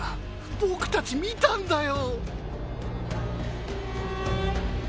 僕達見たんだよ